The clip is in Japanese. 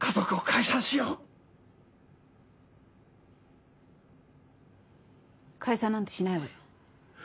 解散なんてしないわよ。